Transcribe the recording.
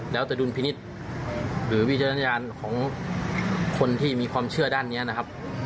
แล้วแต่ดุลพินิษฐ์หรือวิจารณญาณของคนที่มีความเชื่อด้านนี้นะครับ